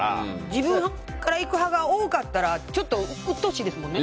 自分から行く派が多かったらちょっとうっとうしいですもんね。